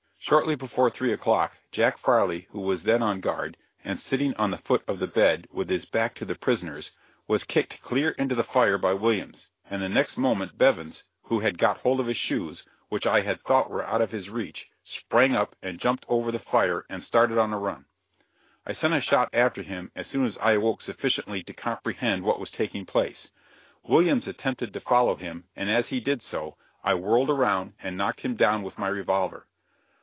Shortly before three o'clock, Jack Farley, who was then on guard, and sitting on the foot of the bed, with his back to the prisoners, was kicked clear into the fire by Williams, and the next moment Bevins, who had got hold of his shoes which I had thought were out of his reach sprang up and jumped over the fire, and started on a run. I sent a shot after him as soon as I awoke sufficiently to comprehend what was taking place. Williams attempted to follow him, and as he did so, I whirled around and knocked him down with my revolver.